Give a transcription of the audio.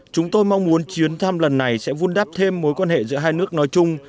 chúng tôi mong muốn chuyến thăm lần này sẽ vun đắp thêm mối quan hệ giữa hai nước nói chung